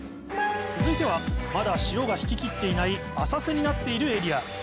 続いてはまだ潮が引ききっていない浅瀬になっているエリア。